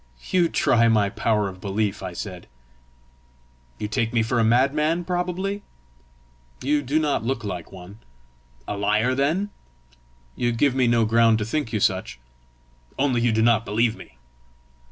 "You try my power of belief!" I said. "You take me for a madman, probably?" "You do not look like one." "A liar then?" "You give me no ground to think you such." "Only you do not believe me?"